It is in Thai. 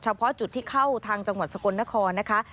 เพาะจุดที่เข้าทางจังหวัดสกลนครนะคะ